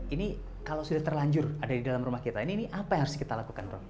ini kalau sudah terlanjur ada di dalam rumah kita ini ini apa yang harus kita lakukan prof